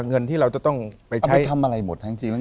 เงินที่เราจะต้องไปใช้เอาไปทำอะไรหมดทั้งจริง